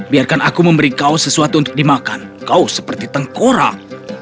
biarkan aku memberi kau sesuatu untuk dimakan kau seperti tengkorak